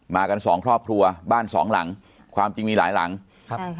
กันสองครอบครัวบ้านสองหลังความจริงมีหลายหลังครับ